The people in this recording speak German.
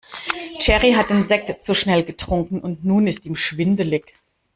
Jerry hat den Sekt zu schnell getrunken und nun ist ihm schwindelig.